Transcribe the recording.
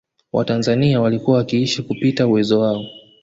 Watanzania walikuwa wakiishi kupita uwezo wao